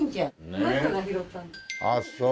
あっそう。